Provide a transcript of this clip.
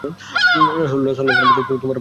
রাসুলুল্লাহ বললেন, তোমার রব তোমাকে ক্ষমা করুন।